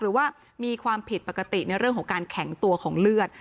หรือว่ามีความผิดปกติในเรื่องของการแข็งตัวของเลือด